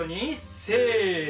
せの。